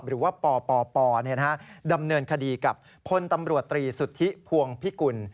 หรือว่าปปดำเนินคดีกับพลตำรวจตรีสุทธิพวงพิกุล